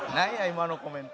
今のコメント。